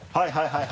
はい！